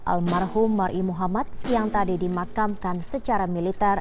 almarhum mar'i muhammad siang tadi dimakamkan secara militer